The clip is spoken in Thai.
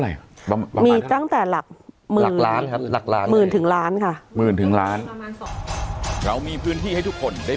ลูกแชร์ทุกคนไม่เคยเจอหน้ากันเลยอืมมีส่วนน้อยที่ว่ารู้จัก